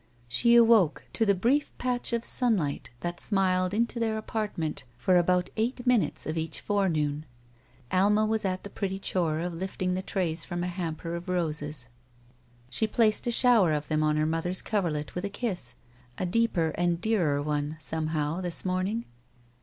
She awoke to the brief patch of sunlight that smiled into their apartment for about eight minutes of each forenoon. Alma was at the pretty chore of lifting the trays from a hamper of roses. She placed a shower of them on her mother's coverlet with a kiss, a deeper and dearer one, somehow, this morning.